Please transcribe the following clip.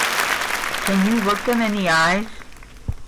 Can you look them in the eyes?